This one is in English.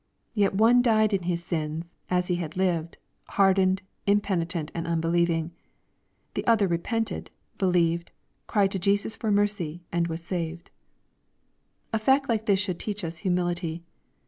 Yet one died in his sins, as he had lived, hardened, impenitent, and unbelieving. The other repented, believed, cried to Jesus for mercy, and was saved. A fact like this should teach us humility.